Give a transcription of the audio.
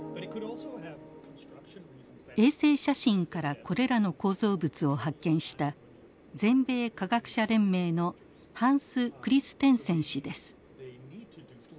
衛星写真からこれらの構造物を発見した全米科学者連盟のハンス・クリステンセン氏です。